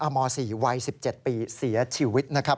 ม๔วัย๑๗ปีเสียชีวิตนะครับ